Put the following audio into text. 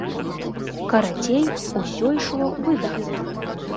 Карацей, усё ішло выдатна.